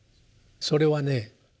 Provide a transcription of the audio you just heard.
それはね